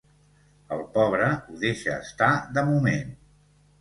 El pobre ho deixa estar, de moment.